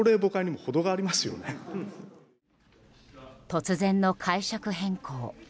突然の解釈変更。